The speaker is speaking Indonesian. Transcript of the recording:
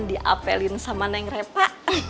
diapelin sama neng repa